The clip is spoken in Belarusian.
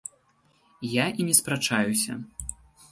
Я і не спрачаюся.